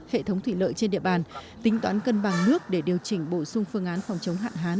hệ thống thủy lợi trên địa bàn tính toán cân bằng nước để điều chỉnh bổ sung phương án phòng chống hạn hán